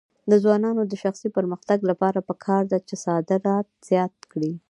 د ځوانانو د شخصي پرمختګ لپاره پکار ده چې صادرات زیات کړي.